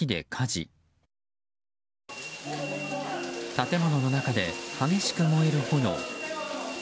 建物の中で激しく燃える炎。